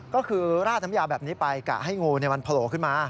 ก็คือราดน้ำยาแบบนี้ไปกะให้งูมันโผล่ขึ้นมา